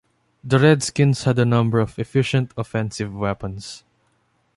The Redskins had a number of efficient offensive weapons.